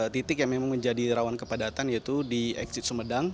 titik yang memang menjadi rawan kepadatan yaitu di exit sumedang